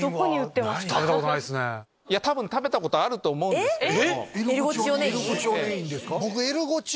多分食べたことあると思うんですけど。